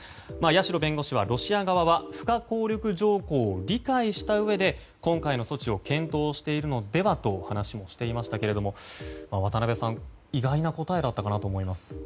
八代弁護士はロシア側は不可抗力条項を理解したうえで今回の措置を検討しているのではと話をしていましたけれども渡辺さん、意外な答えだったかなと思います。